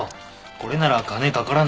これなら金かからない。